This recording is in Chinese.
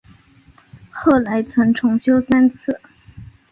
后来曾重修三次。